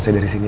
kan dua iphone